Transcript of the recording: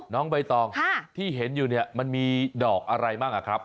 น้องใบตองที่เห็นอยู่เนี่ยมันมีดอกอะไรบ้างอะครับ